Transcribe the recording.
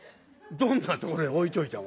どんなところへ置いといても。